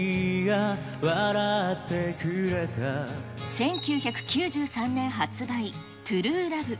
１９９３年発売、ＴＲＵＥＬＯＶＥ。